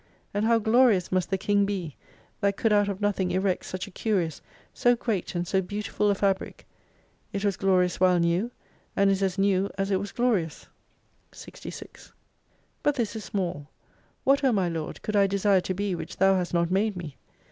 And how glorious must the King be, that could out of nothing erect such a curious, so great, and so beautiful a fabric ! It was glorious while new : and is as new as it was glorious. 66 But this is small. What O my Lord, could I desire to be which Thou hast not made me